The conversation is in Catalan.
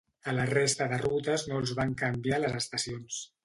A la resta de rutes no els van canviar les estacions.